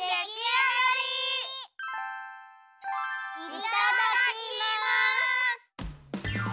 いただきます！